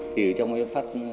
thì ở trong ấy phát